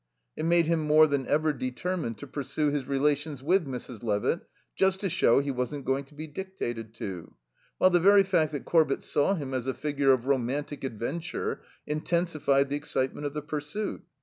It made him more than ever determined to pursue his relations with Mrs. Levitt, just to show he wasn't going to be dictated to, while the very fact that Corbett saw him as a figure of romantic adventure intensified the excitement of the pursuit.